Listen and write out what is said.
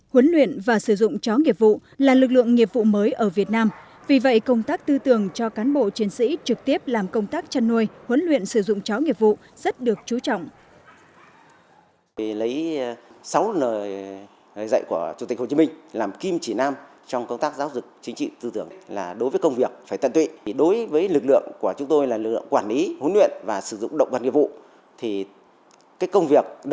huấn luyện và sử dụng chó nghiệp vụ là lực lượng nghiệp vụ mới ở việt nam vì vậy công tác tư tưởng cho cán bộ chiến sĩ trực tiếp làm công tác chăn nuôi huấn luyện sử dụng chó nghiệp vụ rất được chú trọng